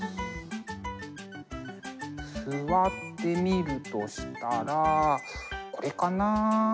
座ってみるとしたらこれかな。